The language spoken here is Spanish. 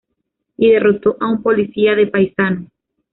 Y derrotó a un policía de paisano.